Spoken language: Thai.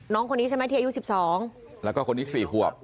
น้องคนนี้ใช่ไหมที่อายุ๑๒แล้วก็คนนี้๔ขวบ